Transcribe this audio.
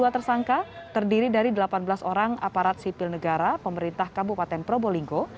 dua tersangka terdiri dari delapan belas orang aparat sipil negara pemerintah kabupaten probolinggo